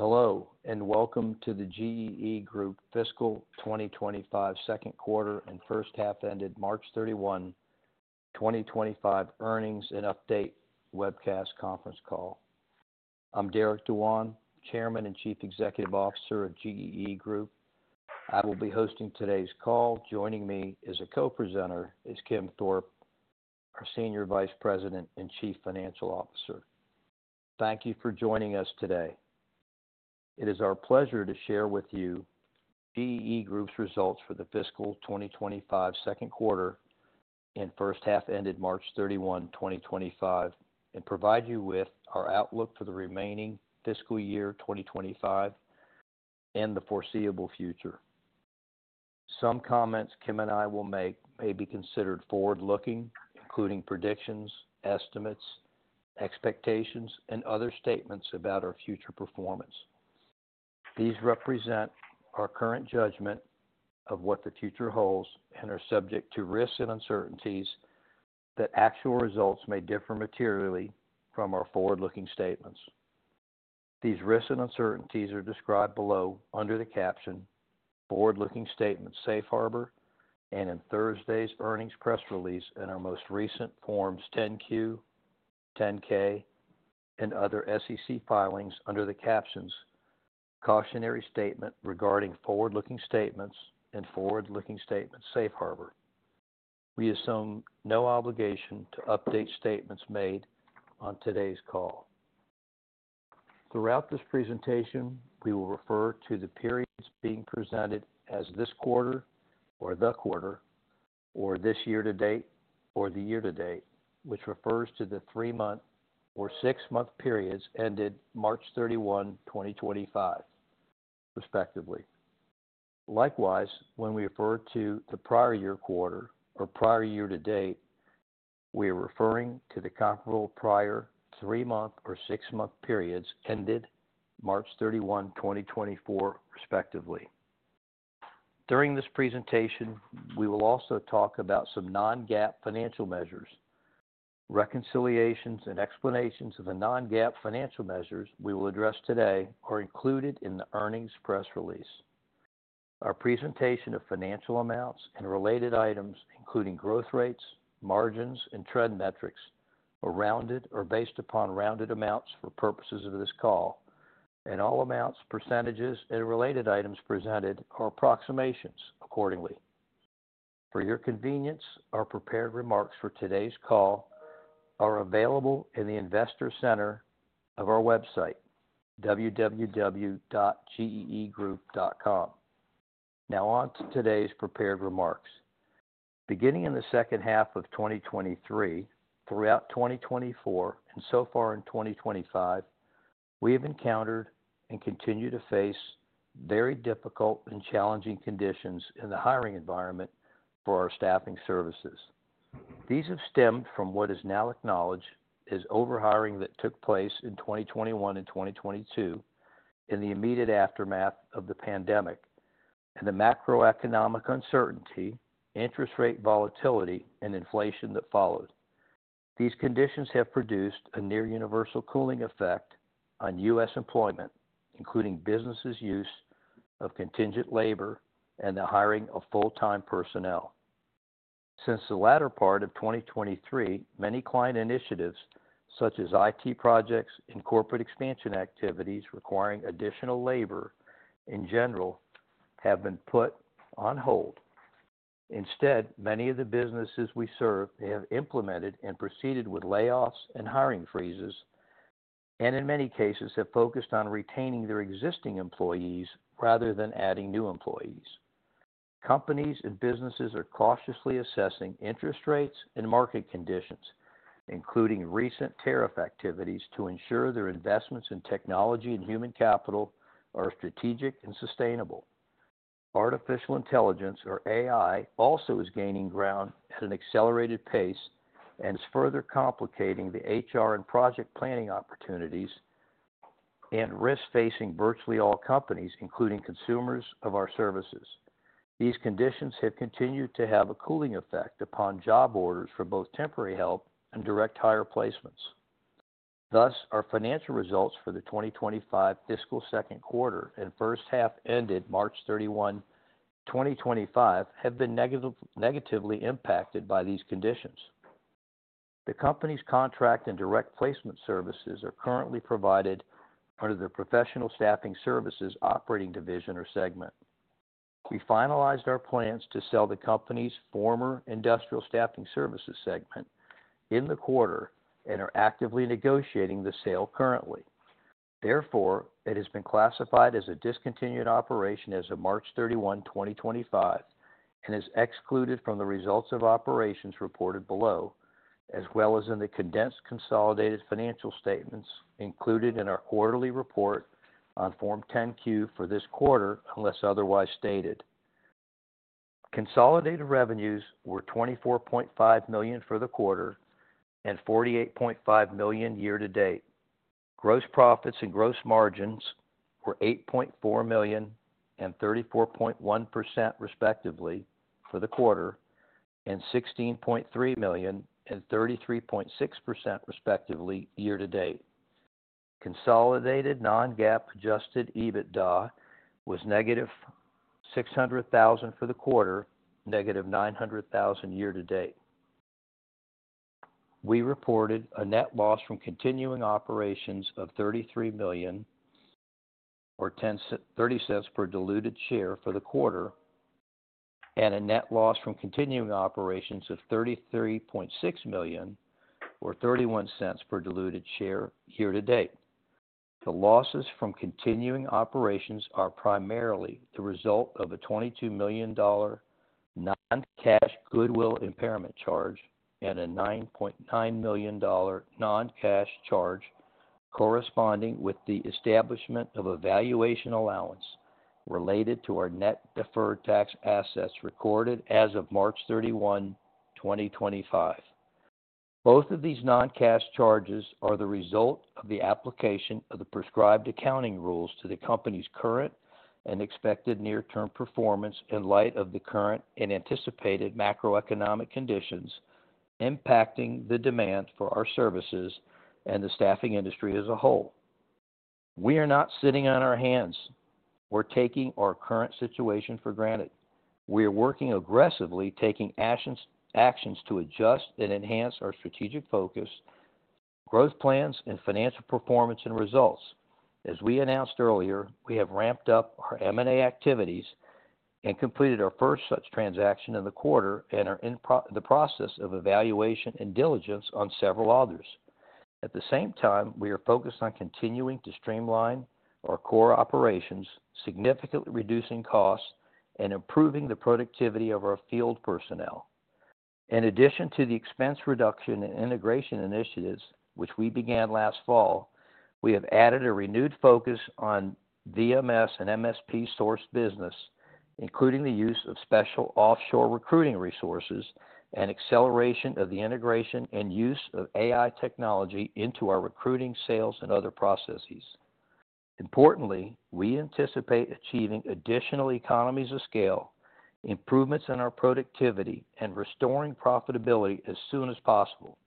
Hello, and welcome to the GEE Group Fiscal 2025 Second Quarter and First Half Ended March 31, 2025 Earnings and Update Webcast Conference Call. I'm Derek Dewan, Chairman and Chief Executive Officer of GEE Group. I will be hosting today's call. Joining me as a co-presenter is Kim Thorpe, our Senior Vice President and Chief Financial Officer. Thank you for joining us today. It is our pleasure to share with you GEE Group's results for the fiscal 2025 second quarter and first half ended March 31, 2025, and provide you with our outlook for the remaining fiscal year 2025 and the foreseeable future. Some comments Kim and I will make may be considered forward-looking, including predictions, estimates, expectations, and other statements about our future performance. These represent our current judgment of what the future holds and are subject to risks and uncertainties that actual results may differ materially from our forward-looking statements. These risks and uncertainties are described below under the caption, "Forward-looking Statement, Safe Harbor," and in Thursday's earnings press release and our most recent Forms 10-Q, 10-K, and other SEC filings under the captions, "Cautionary Statement Regarding Forward-looking Statements" and "Forward-looking Statement, Safe Harbor." We assume no obligation to update statements made on today's call. Throughout this presentation, we will refer to the periods being presented as this quarter or the quarter or this year-to-date or the year-to-date, which refers to the three-month or six-month periods ended March 31, 2025, respectively. Likewise, when we refer to the prior year quarter or prior year-to-date, we are referring to the comparable prior three-month or six-month periods ended March 31, 2024, respectively. During this presentation, we will also talk about some non-GAAP financial measures. Reconciliations and explanations of the non-GAAP financial measures we will address today are included in the earnings press release. Our presentation of financial amounts and related items, including growth rates, margins, and trend metrics, are rounded or based upon rounded amounts for purposes of this call, and all amounts, percentages, and related items presented are approximations accordingly. For your convenience, our prepared remarks for today's call are available in the investor center of our website, www.geegroup.com. Now on to today's prepared remarks. Beginning in the second half of 2023, throughout 2024, and so far in 2025, we have encountered and continue to face very difficult and challenging conditions in the hiring environment for our staffing services. These have stemmed from what is now acknowledged as overhiring that took place in 2021 and 2022 in the immediate aftermath of the pandemic and the macroeconomic uncertainty, interest rate volatility, and inflation that followed. These conditions have produced a near-universal cooling effect on U.S. employment, including businesses' use of contingent labor and the hiring of full-time personnel. Since the latter part of 2023, many client initiatives, such as IT projects and corporate expansion activities requiring additional labor in general, have been put on hold. Instead, many of the businesses we serve have implemented and proceeded with layoffs and hiring freezes, and in many cases, have focused on retaining their existing employees rather than adding new employees. Companies and businesses are cautiously assessing interest rates and market conditions, including recent tariff activities, to ensure their investments in technology and human capital are strategic and sustainable. Artificial intelligence, or AI, also is gaining ground at an accelerated pace and is further complicating the HR and project planning opportunities and risk-facing virtually all companies, including consumers of our services. These conditions have continued to have a cooling effect upon job orders for both temporary help and direct hire placements. Thus, our financial results for the 2025 fiscal second quarter and first half ended March 31, 2025, have been negatively impacted by these conditions. The company's contract and direct placement services are currently provided under the Professional Staffing Services Operating Division or segment. We finalized our plans to sell the company's former industrial staffing services segment in the quarter and are actively negotiating the sale currently. Therefore, it has been classified as a discontinued operation as of March 31, 2025, and is excluded from the results of operations reported below, as well as in the condensed consolidated financial statements included in our quarterly report on Form 10-Q for this quarter, unless otherwise stated. Consolidated revenues were $24.5 million for the quarter and $48.5 million year-to-date. Gross profits and gross margins were $8.4 million and 34.1%, respectively, for the quarter and $16.3 million and 33.6%, respectively, year-to-date. Consolidated non-GAAP adjusted EBITDA was negative $600,000 for the quarter, negative $900,000 year-to-date. We reported a net loss from continuing operations of $33 million, or $0.30 per diluted share for the quarter, and a net loss from continuing operations of $33.6 million, or $0.31 per diluted share year-to-date. The losses from continuing operations are primarily the result of a $22 million non-cash goodwill impairment charge and a $9.9 million non-cash charge corresponding with the establishment of a valuation allowance related to our net deferred tax assets recorded as of March 31, 2025. Both of these non-cash charges are the result of the application of the prescribed accounting rules to the company's current and expected near-term performance in light of the current and anticipated macroeconomic conditions impacting the demand for our services and the staffing industry as a whole. We are not sitting on our hands. We're not taking our current situation for granted. We are working aggressively, taking actions to adjust and enhance our strategic focus, growth plans, and financial performance and results. As we announced earlier, we have ramped up our M&A activities and completed our first such transaction in the quarter and are in the process of evaluation and diligence on several others. At the same time, we are focused on continuing to streamline our core operations, significantly reducing costs and improving the productivity of our field personnel. In addition to the expense reduction and integration initiatives, which we began last fall, we have added a renewed focus on VMS and MSP source business, including the use of special offshore recruiting resources and acceleration of the integration and use of AI technology into our recruiting, sales, and other processes. Importantly, we anticipate achieving additional economies of scale, improvements in our productivity, and restoring profitability as soon as possible.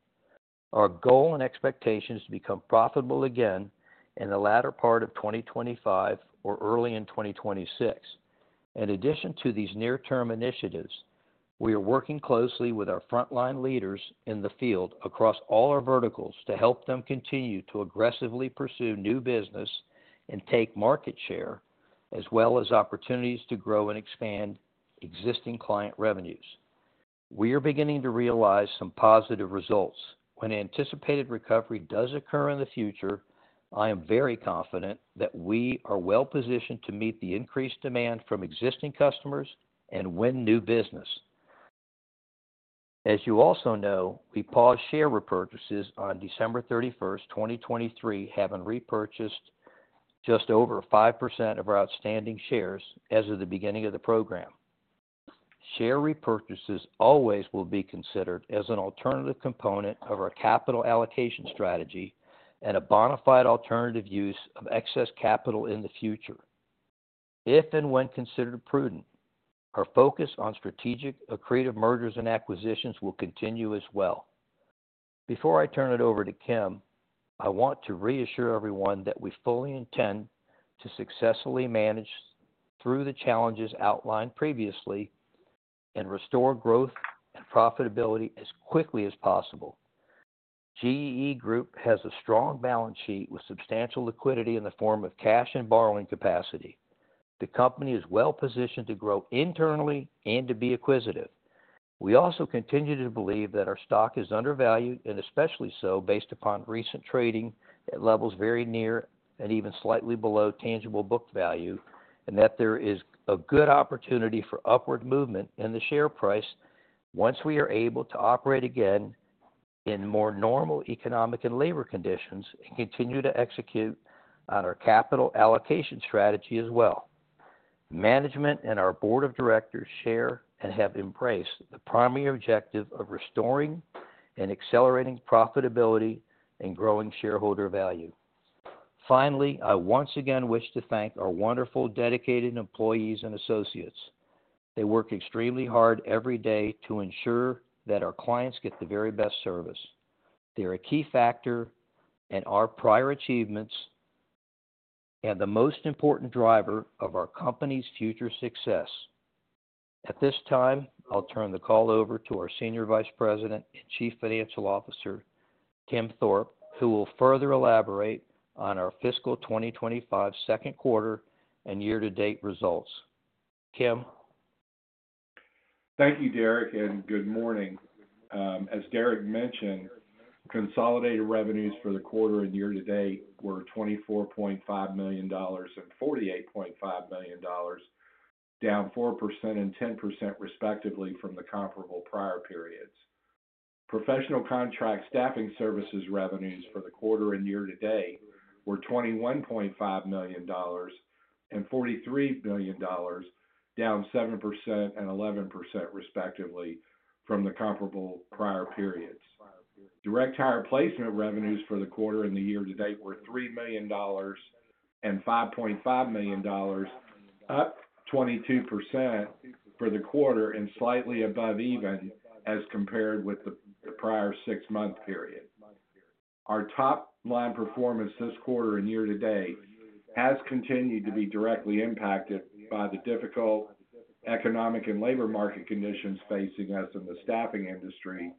Our goal and expectation is to become profitable again in the latter part of 2025 or early in 2026. In addition to these near-term initiatives, we are working closely with our frontline leaders in the field across all our verticals to help them continue to aggressively pursue new business and take market share, as well as opportunities to grow and expand existing client revenues. We are beginning to realize some positive results. When anticipated recovery does occur in the future, I am very confident that we are wwell-positionedto meet the increased demand from existing customers and win new business. As you also know, we paused share repurchases on December 31, 2023, having repurchased just over 5% of our outstanding shares as of the beginning of the program. Share repurchases always will be considered as an alternative component of our capital allocation strategy and a bona fide alternative use of excess capital in the future. If and when considered prudent, our focus on strategic accretive mergers and acquisitions will continue as well. Before I turn it over to Kim, I want to reassure everyone that we fully intend to successfully manage through the challenges outlined previously and restore growth and profitability as quickly as possible. GEE Group has a strong balance sheet with substantial liquidity in the form of cash and borrowing capacity. The company is well-positioned to grow internally and to be acquisitive. We also continue to believe that our stock is undervalued, and especially so based upon recent trading at levels very near and even slightly below tangible book value, and that there is a good opportunity for upward movement in the share price once we are able to operate again in more normal economic and labor conditions and continue to execute on our capital allocation strategy as well. Management and our board of directors share and have embraced the primary objective of restoring and accelerating profitability and growing shareholder value. Finally, I once again wish to thank our wonderful dedicated employees and associates. They work extremely hard every day to ensure that our clients get the very best service. They are a key factor in our prior achievements and the most important driver of our company's future success. At this time, I'll turn the call over to our Senior Vice President and Chief Financial Officer, Kim Thorpe, who will further elaborate on our fiscal 2025 second quarter and year-to-date results. Kim. Thank you, Derek, and good morning. As Derek mentioned, consolidated revenues for the quarter and year-to-date were $24.5 million and $48.5 million, down 4% and 10%, respectively, from the comparable prior periods. Professional contract staffing services revenues for the quarter and year-to-date were $21.5 million and $43 billion, down 7% and 11%, respectively, from the comparable prior periods. Direct hire placement revenues for the quarter and the year-to-date were $3 million and $5.5 million, up 22% for the quarter and slightly above even as compared with the prior six-month period. Our top-line performance this quarter and year-to-date has continued to be directly impacted by the difficult economic and labor market conditions facing us in the staffing industry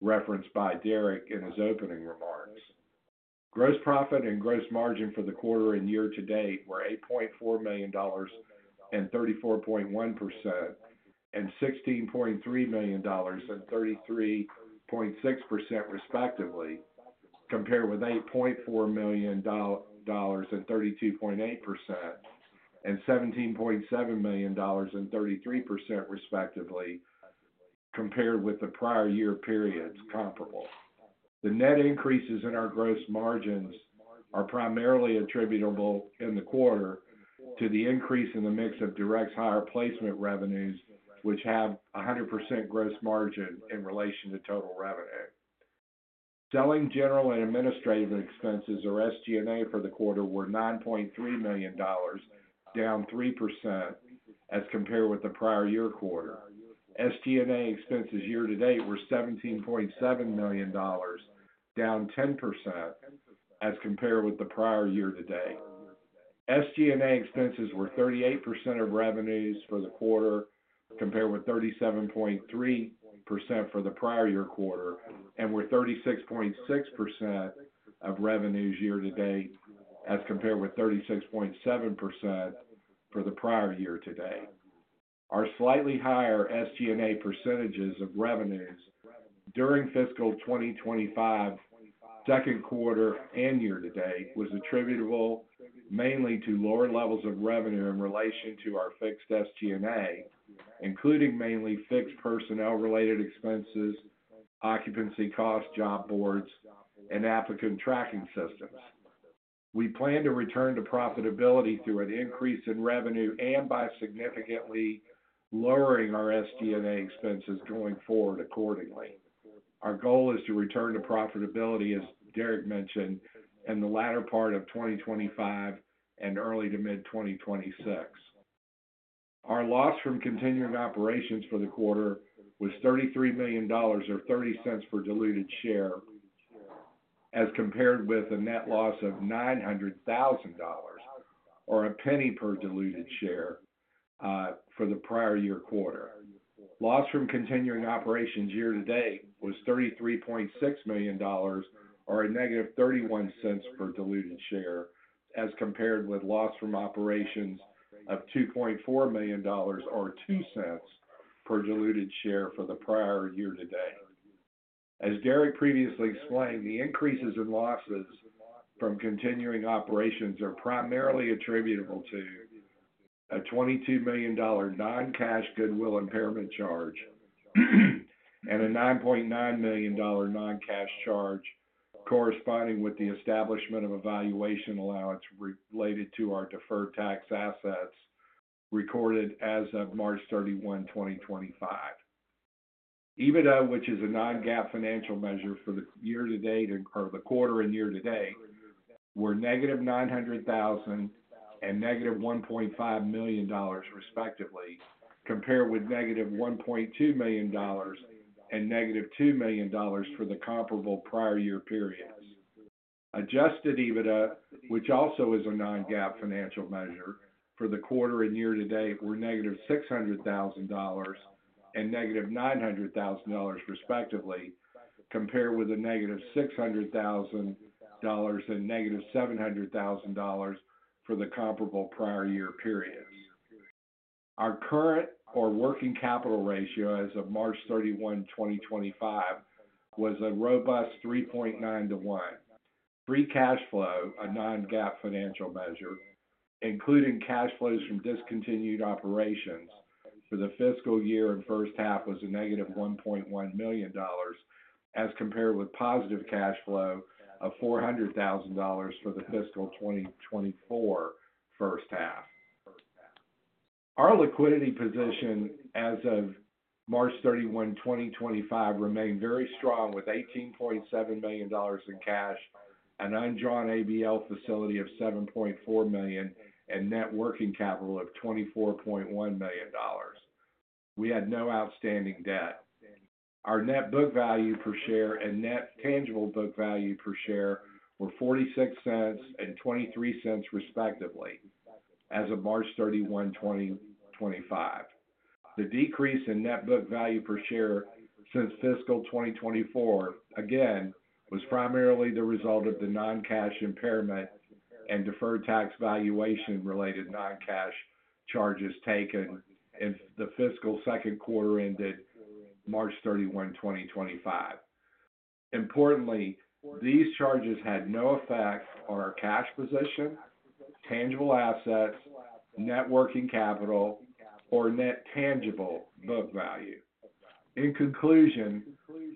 referenced by Derek in his opening remarks. Gross profit and gross margin for the quarter and year-to-date were $8.4 million and 34.1% and $16.3 million and 33.6%, respectively, compared with $8.4 million and 32.8% and $17.7 million and 33%, respectively, compared with the prior year periods comparable. The net increases in our gross margins are primarily attributable in the quarter to the increase in the mix of direct hire placement revenues, which have 100% gross margin in relation to total revenue. Selling, general and administrative expenses, or SG&A, for the quarter were $9.3 million, down 3%, as compared with the prior year quarter. SG&A expenses year-to-date were $17.7 million, down 10%, as compared with the prior year-to-date. SG&A expenses were 38% of revenues for the quarter, compared with 37.3% for the prior year quarter, and were 36.6% of revenues year-to-date, as compared with 36.7% for the prior year-to-date. Our slightly higher SG&A percentages of revenues during fiscal 2025 second quarter and year-to-date was attributable mainly to lower levels of revenue in relation to our fixed SG&A, including mainly fixed personnel-related expenses, occupancy costs, job boards, and applicant tracking systems. We plan to return to profitability through an increase in revenue and by significantly lowering our SG&A expenses going forward accordingly. Our goal is to return to profitability, as Derek mentioned, in the latter part of 2025 and early to mid-2026. Our loss from continuing operations for the quarter was $33 million, or $0.30 per diluted share, as compared with a net loss of $900,000, or a penny per diluted share for the prior year quarter. Loss from continuing operations year-to-date was $33.6 million, or a -$0.31 per diluted share, as compared with loss from operations of $2.4 million, or $0.02 per diluted share for the prior year-to-date. As Derek previously explained, the increases in losses from continuing operations are primarily attributable to a $22 million non-cash goodwill impairment charge and a $9.9 million non-cash charge corresponding with the establishment of a valuation allowance related to our deferred tax assets recorded as of March 31, 2025. EBITDA, which is a non-GAAP financial measure for the year-to-date or the quarter and year-to-date, were -$900,000 and -$1.5 million, respectively, compared with -$1.2 million and -$2 million for the comparable prior year periods. Adjusted EBITDA, which also is a non-GAAP financial measure for the quarter and year-to-date, were -$600,000 and -$900,000, respectively, compared with a -$600,000 and -$700,000 for the comparable prior year periods. Our current or working capital ratio as of March 31, 2025, was a robust 3.9 to 1. Free cash flow, a non-GAAP financial measure, including cash flows from discontinued operations for the fiscal year and first half, was a -$1.1 million, as compared with positive cash flow of $400,000 for the fiscal 2024 first half. Our liquidity position as of March 31, 2025, remained very strong with $18.7 million in cash, an undrawn ABL facility of $7.4 million, and net working capital of $24.1 million. We had no outstanding debt. Our net book value per share and net tangible book value per share were $0.46 and $0.23, respectively, as of March 31, 2025. The decrease in net book value per share since fiscal 2024, again, was primarily the result of the non-cash impairment and deferred tax valuation-related non-cash charges taken in the fiscal second quarter ended March 31, 2025. Importantly, these charges had no effect on our cash position, tangible assets, net working capital, or net tangible book value. In conclusion,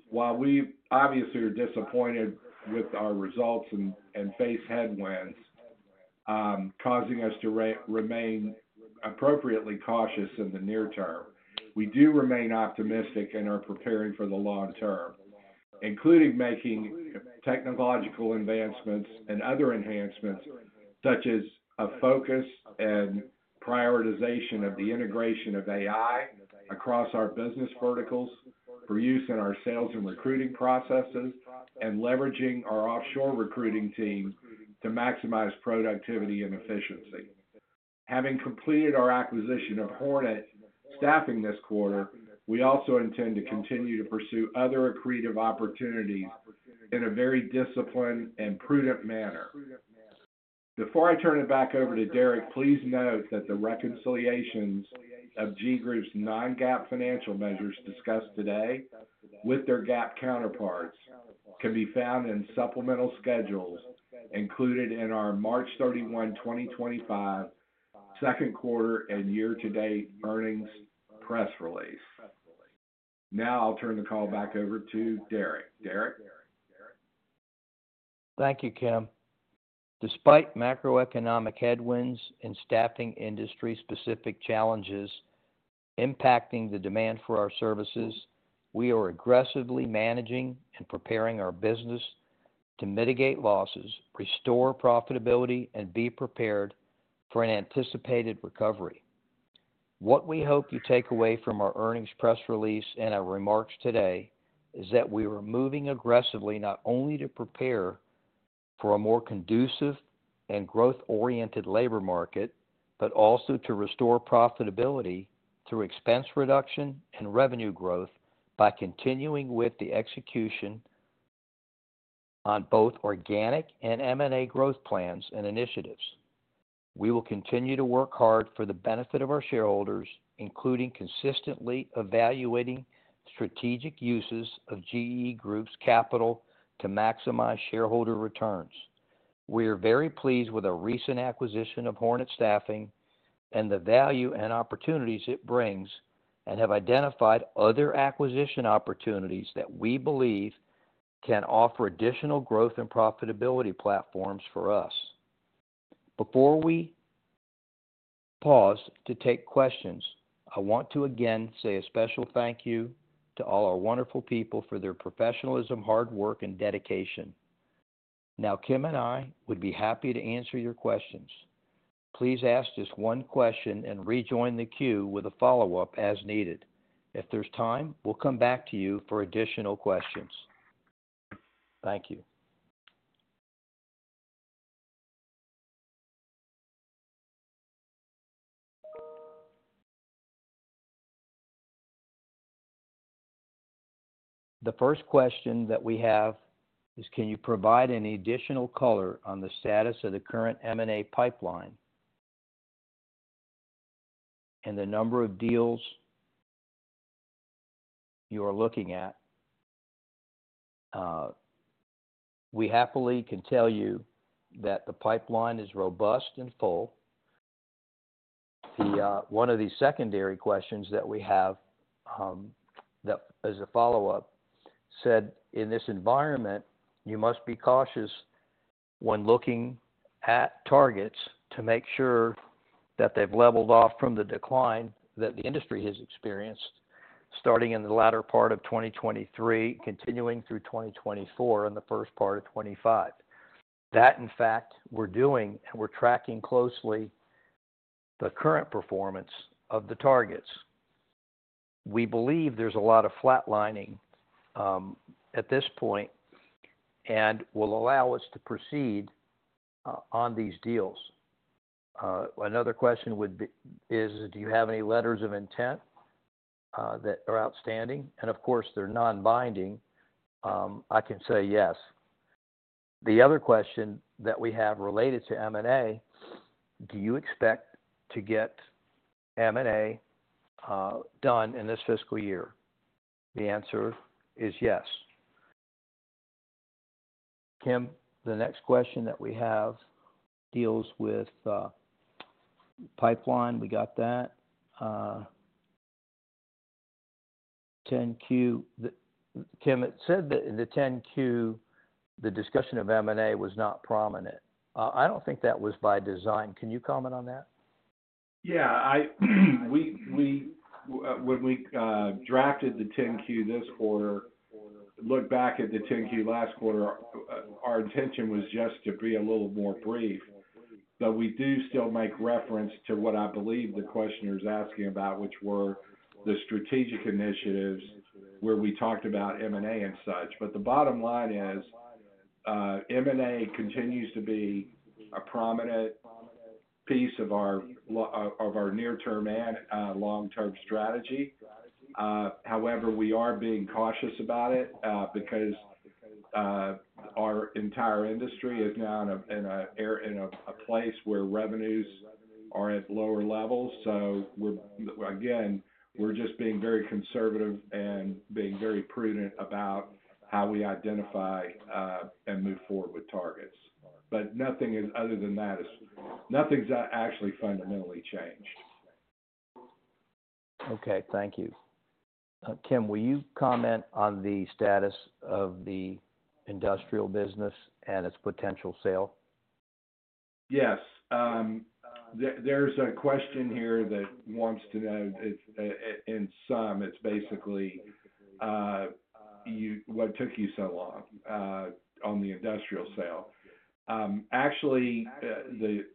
while we obviously are disappointed with our results and face headwinds causing us to remain appropriately cautious in the near term, we do remain optimistic and are preparing for the long term, including making technological advancements and other enhancements, such as a focus and prioritization of the integration of AI across our business verticals for use in our sales and recruiting processes and leveraging our offshore recruiting team to maximize productivity and efficiency. Having completed our acquisition of Hornet Staffing this quarter, we also intend to continue to pursue other accretive opportunities in a very disciplined and prudent manner. Before I turn it back over to Derek, please note that the reconciliations of GEE Group's non-GAAP financial measures discussed today with their GAAP counterparts can be found in supplemental schedules included in our March 31, 2025, second-quarter and year-to-date earnings press release. Now I'll turn the call back over to Derek. Thank you, Kim. Despite macroeconomic headwinds and staffing industry-specific challenges impacting the demand for our services, we are aggressively managing and preparing our business to mitigate losses, restore profitability, and be prepared for an anticipated recovery. What we hope you take away from our earnings press release and our remarks today is that we are moving aggressively not only to prepare for a more conducive and growth-oriented labor market, but also to restore profitability through expense reduction and revenue growth by continuing with the execution on both organic and M&A growth plans and initiatives. We will continue to work hard for the benefit of our shareholders, including consistently evaluating strategic uses of GEE Group's capital to maximize shareholder returns. We are very pleased with our recent acquisition of Hornet Staffing and the value and opportunities it brings and have identified other acquisition opportunities that we believe can offer additional growth and profitability platforms for us. Before we pause to take questions, I want to again say a special thank you to all our wonderful people for their professionalism, hard work, and dedication. Now, Kim and I would be happy to answer your questions. Please ask just one question and rejoin the queue with a follow-up as needed. If there's time, we'll come back to you for additional questions. Thank you. The first question that we have is, can you provide any additional color on the status of the current M&A pipeline and the number of deals you are looking at? We happily can tell you that the pipeline is robust and full. One of the secondary questions that we have as a follow-up said, in this environment, you must be cautious when looking at targets to make sure that they've leveled off from the decline that the industry has experienced starting in the latter part of 2023, continuing through 2024 and the first part of 2025. That, in fact, we're doing, and we're tracking closely the current performance of the targets. We believe there's a lot of flatlining at this point and will allow us to proceed on these deals. Another question is, do you have any letters of intent that are outstanding? And of course, they're non-binding. I can say yes. The other question that we have related to M&A, do you expect to get M&A done in this fiscal year? The answer is yes. Kim, the next question that we have deals with pipeline. We got that. Form 10-Q. Kim, it said that in the Form 10-Q, the discussion of M&A was not prominent. I don't think that was by design. Can you comment on that? Yeah. When we drafted the Form 10-Q this quarter, looked back at the Form 10-Q last quarter, our intention was just to be a little more brief. But we do still make reference to what I believe the questioner is asking about, which were the strategic initiatives where we talked about M&A and such. The bottom line is M&A continues to be a prominent piece of our near-term and long-term strategy. However, we are being cautious about it because our entire industry is now in a place where revenues are at lower levels. Again, we're just being very conservative and being very prudent about how we identify and move forward with targets. Nothing is other than that. Nothing's actually fundamentally changed. Okay. Thank you. Kim, will you comment on the status of the industrial business and its potential sale? Yes. There's a question here that wants to know, in sum, it's basically, what took you so long on the industrial sale? Actually,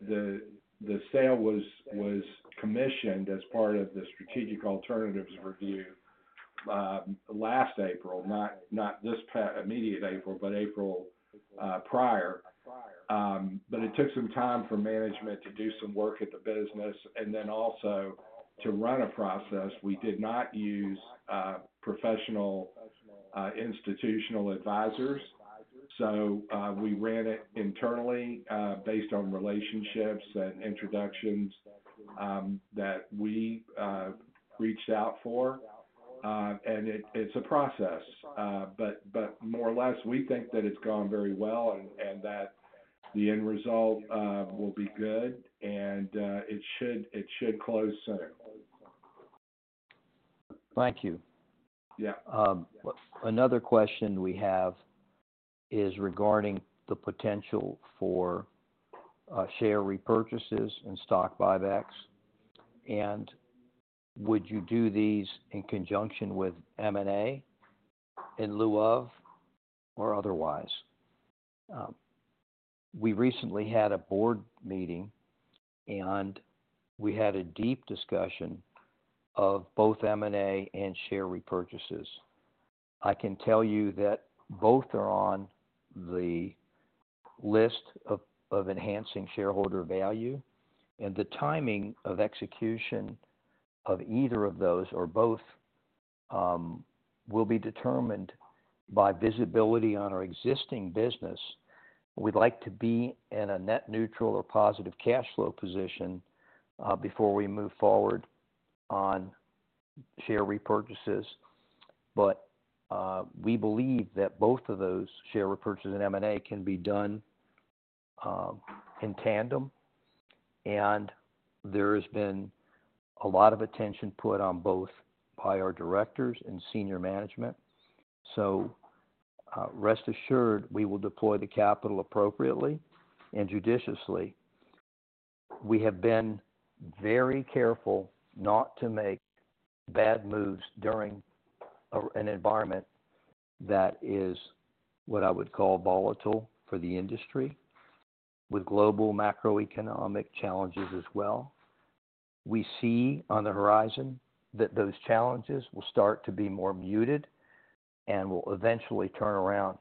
the sale was commissioned as part of the strategic alternatives review last April, not this immediate April, but April prior. It took some time for management to do some work at the business and then also to run a process. We did not use professional institutional advisors. We ran it internally based on relationships and introductions that we reached out for. It's a process. More or less, we think that it's gone very well and that the end result will be good, and it should close soon. Thank you. Another question we have is regarding the potential for share repurchases and stock buybacks. Would you do these in conjunction with M&A in lieu of or otherwise? We recently had a board meeting, and we had a deep discussion of both M&A and share repurchases. I can tell you that both are on the list of enhancing shareholder value. The timing of execution of either of those or both will be determined by visibility on our existing business. We'd like to be in a net neutral or positive cash flow position before we move forward on share repurchases. We believe that both of those share repurchases and M&A can be done in tandem. There has been a lot of attention put on both by our directors and senior management. Rest assured, we will deploy the capital appropriately and judiciously. We have been very careful not to make bad moves during an environment that is what I would call volatile for the industry with global macroeconomic challenges as well. We see on the horizon that those challenges will start to be more muted and will eventually turn around.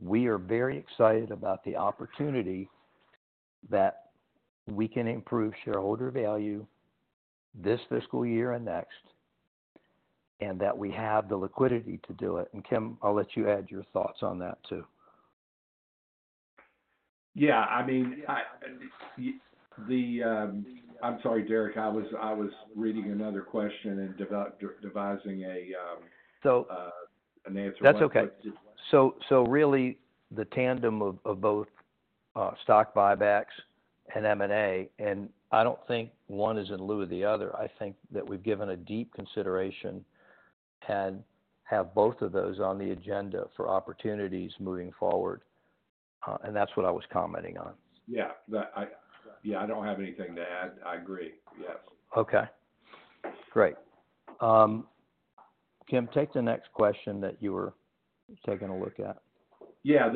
We are very excited about the opportunity that we can improve shareholder value this fiscal year and next and that we have the liquidity to do it. Kim, I'll let you add your thoughts on that too. Yeah. I mean, I'm sorry, Derek. I was reading another question and devising an answer. That's okay. Really, the tandem of both stock buybacks and M&A, and I don't think one is in lieu of the other. I think that we've given a deep consideration and have both of those on the agenda for opportunities moving forward. That's what I was commenting on. Yeah. Yeah. I don't have anything to add. I agree. Yes. Okay. Great. Kim, take the next question that you were taking a look at. Yeah.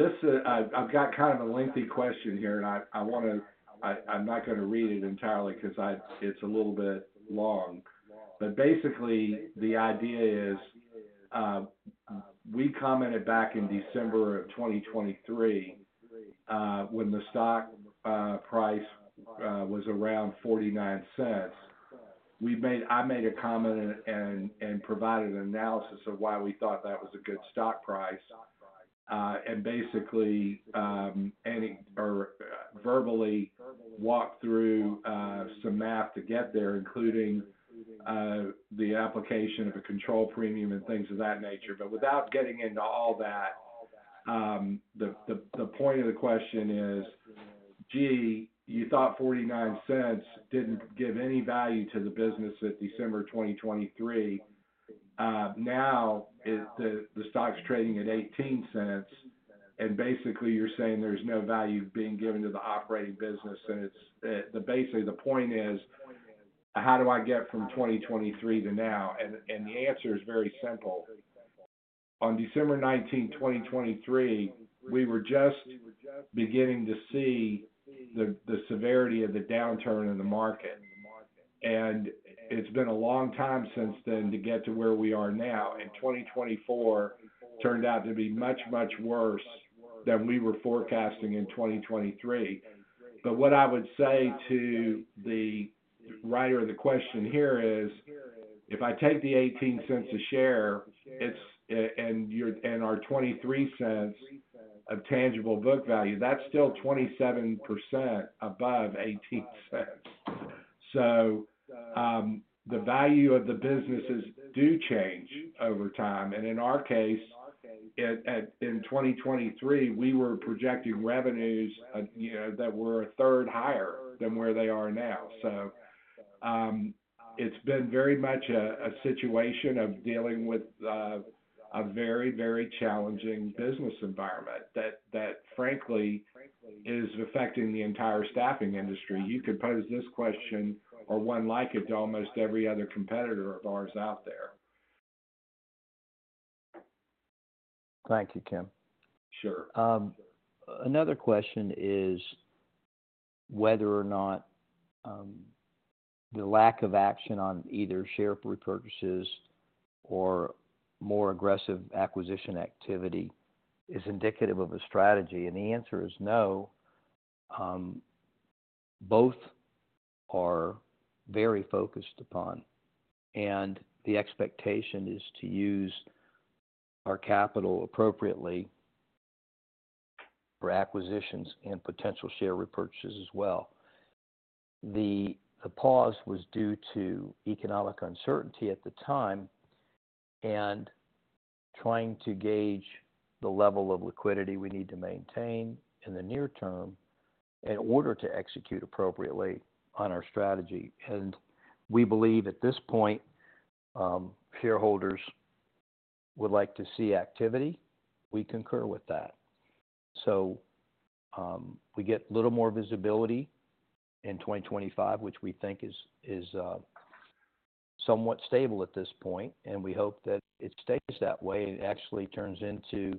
I've got kind of a lengthy question here, and I'm not going to read it entirely because it's a little bit long. Basically, the idea is we commented back in December 2023 when the stock price was around $0.49. I made a comment and provided an analysis of why we thought that was a good stock price and basically verbally walked through some math to get there, including the application of a control premium and things of that nature. Without getting into all that, the point of the question is, GEE, you thought $0.49 did not give any value to the business at December 2023. Now the stock's trading at $0.18, and basically, you're saying there's no value being given to the operating business. Basically, the point is, how do I get from 2023 to now? The answer is very simple. On December 19, 2023, we were just beginning to see the severity of the downturn in the market. It's been a long time since then to get to where we are now. 2024 turned out to be much much worse than we were forecasting in 2023. What I would say to the writer of the question here is, if I take the $0.18 a share and our $0.23 of tangible book value, that's still 27% above $0.18. The value of the businesses do change over time. In our case, in 2023, we were projecting revenues that were a third higher than where they are now. It has been very much a situation of dealing with a very, very challenging business environment that, frankly, is affecting the entire staffing industry. You could pose this question or one like it to almost every other competitor of ours out there. Thank you, Kim. Sure. Another question is whether or not the lack of action on either share repurchases or more aggressive acquisition activity is indicative of a strategy. The answer is no. Both are very focused upon. The expectation is to use our capital appropriately for acquisitions and potential share repurchases as well. The pause was due to economic uncertainty at the time and trying to gauge the level of liquidity we need to maintain in the near term in order to execute appropriately on our strategy. We believe at this point shareholders would like to see activity. We concur with that. We get a little more visibility in 2025, which we think is somewhat stable at this point. We hope that it stays that way and actually turns into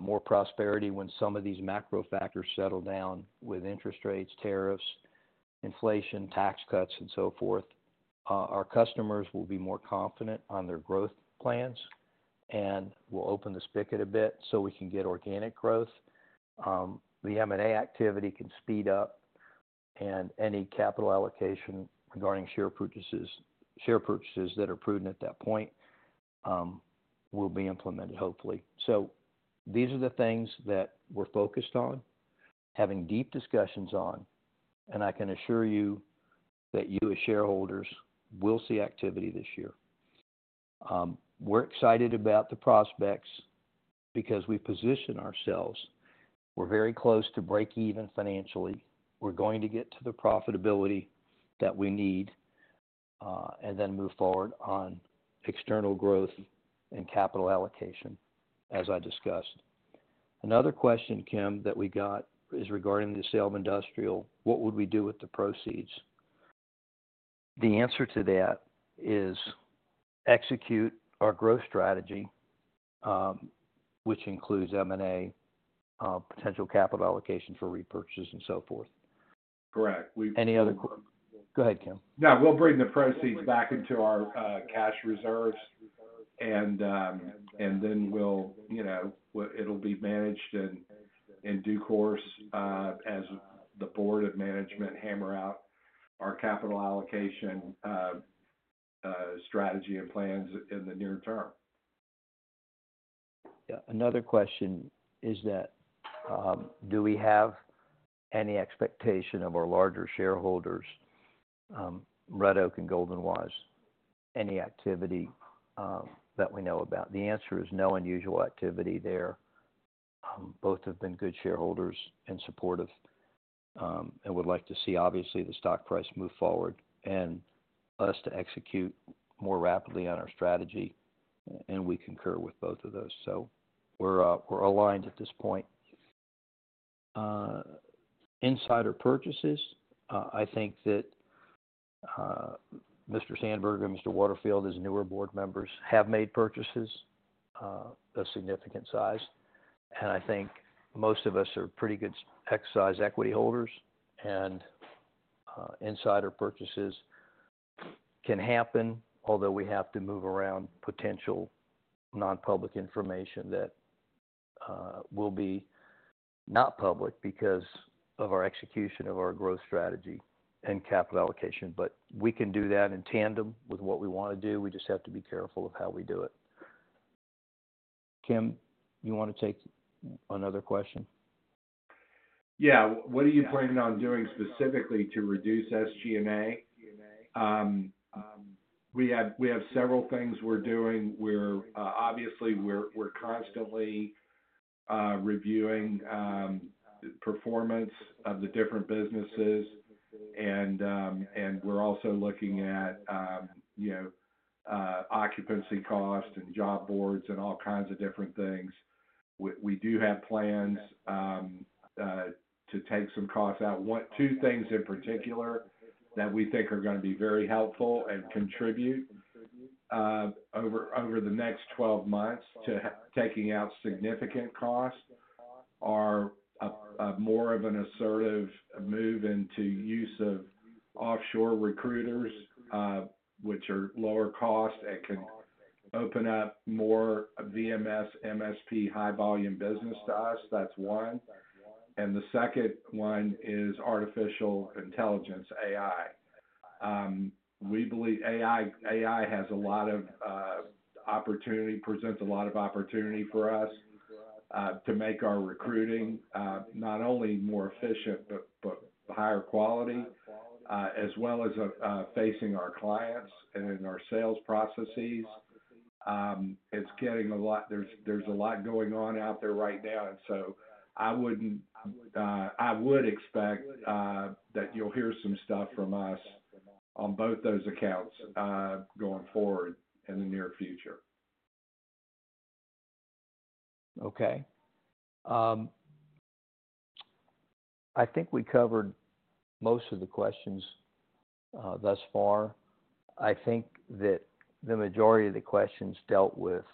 more prosperity when some of these macro factors settle down with interest rates, tariffs, inflation, tax cuts, and so forth. Our customers will be more confident on their growth plans and will open the spigot a bit so we can get organic growth. The M&A activity can speed up, and any capital allocation regarding share purchases that are prudent at that point will be implemented, hopefully. These are the things that we're focused on, having deep discussions on. I can assure you that you, as shareholders, will see activity this year. We're excited about the prospects because we position ourselves. We're very close to break-even financially. We're going to get to the profitability that we need and then move forward on external growth and capital allocation, as I discussed. Another question, Kim, that we got is regarding the sale of industrial. What would we do with the proceeds? The answer to that is execute our growth strategy, which includes M&A, potential capital allocation for repurchases, and so forth. Correct. Any other questions? Go ahead, Kim. No, we'll bring the proceeds back into our cash reserves, and then it'll be managed in due course as the board of management hammer out our capital allocation strategy and plans in the near term. Another question is that, do we have any expectation of our larger shareholders, Red Oak and Golden Wise, any activity that we know about? The answer is no unusual activity there. Both have been good shareholders and supportive and would like to see, obviously, the stock price move forward and us to execute more rapidly on our strategy. We concur with both of those. We are aligned at this point. Insider purchases, I think that Mr. Sandberg and Mr. Waterfield, as newer board members, have made purchases of significant size. I think most of us are pretty good exercise equity holders. Insider purchases can happen, although we have to move around potential non-public information that will be not public because of our execution of our growth strategy and capital allocation. We can do that in tandem with what we want to do. We just have to be careful of how we do it. Kim, you want to take another question? Yeah. What are you planning on doing specifically to reduce SG&A? We have several things we are doing. Obviously, we're constantly reviewing the performance of the different businesses. We're also looking at occupancy costs and job boards and all kinds of different things. We do have plans to take some costs out. Two things in particular that we think are going to be very helpful and contribute over the next 12 months to taking out significant costs are more of an assertive move into use of offshore recruiters, which are lower cost and can open up more VMS, MSP, high-volume business to us. That's one. The second one is artificial intelligence, AI. AI has a lot of opportunity, presents a lot of opportunity for us to make our recruiting not only more efficient, but higher quality, as well as facing our clients and in our sales processes. It's getting a lot, there's a lot going on out there right now. I would expect that you'll hear some stuff from us on both those accounts going forward in the near future. Okay. I think we covered most of the questions thus far. I think that the majority of the questions dealt with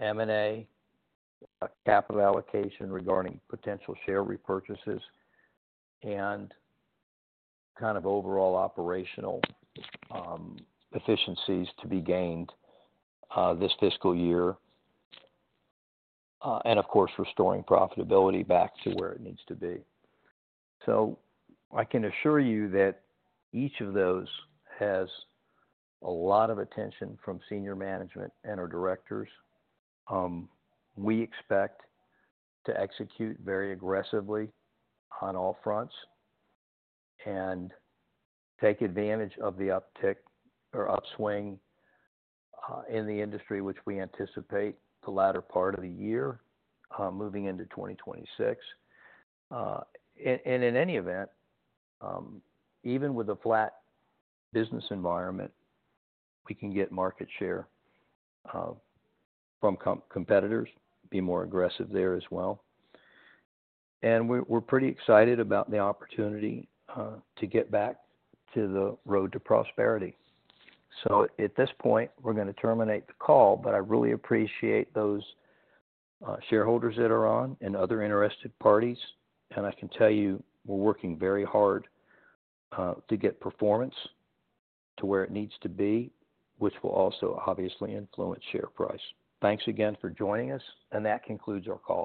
M&A, capital allocation regarding potential share repurchases, and kind of overall operational efficiencies to be gained this fiscal year, and of course, restoring profitability back to where it needs to be. I can assure you that each of those has a lot of attention from senior management and our directors. We expect to execute very aggressively on all fronts and take advantage of the uptick or upswing in the industry, which we anticipate the latter part of the year moving into 2026. In any event, even with a flat business environment, we can get market share from competitors, be more aggressive there as well. We're pretty excited about the opportunity to get back to the road to prosperity. At this point, we're going to terminate the call, but I really appreciate those shareholders that are on and other interested parties. I can tell you we're working very hard to get performance to where it needs to be, which will also obviously influence share price. Thanks again for joining us. That concludes our call.